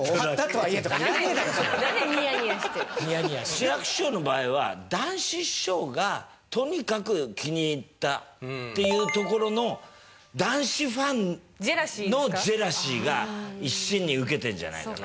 志らく師匠の場合は談志師匠がとにかく気に入ったっていうところの談志ファンのジェラシーが一身に受けてるんじゃないかな？